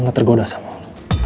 dia gak tergoda sama lo